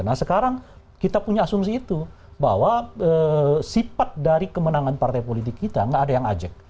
nah sekarang kita punya asumsi itu bahwa sifat dari kemenangan partai politik kita nggak ada yang ajak